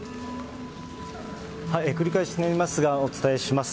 繰り返しになりますが、お伝えします。